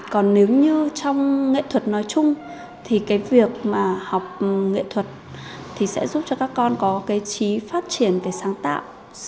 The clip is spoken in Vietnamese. còn nếu như trong nghệ thuật nói chung thì cái việc mà học nghệ thuật thì sẽ giúp cho các con có cái trí phát triển về sáng tạo